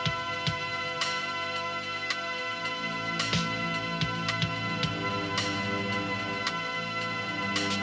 aku ingin kamu mencari dia